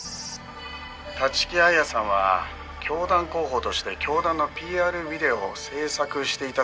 「立木彩さんは教団広報として教団のＰＲビデオを制作していたという話です」